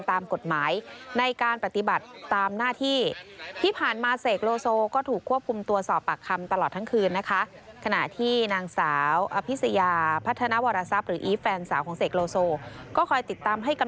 ตามกฎหมายในการปฏิบัตตามหน้าที่